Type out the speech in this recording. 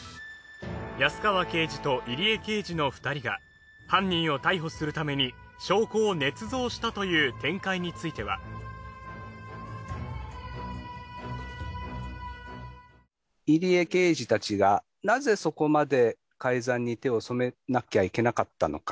安川刑事と入江刑事の２人が犯人を逮捕するために証拠を捏造したという展開については入江刑事たちがなぜそこまで改ざんを手に染めなきゃいけなかったのか。